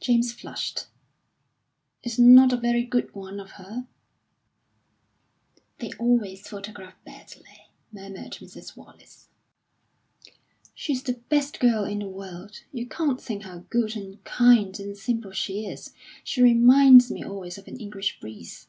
James flushed, "It's not a very good one of her." "They always photograph badly," murmured Mrs. Wallace. "She's the best girl in the world. You can't think how good, and kind, and simple she is; she reminds me always of an English breeze."